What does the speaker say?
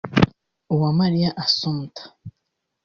Uwamariya Assumpta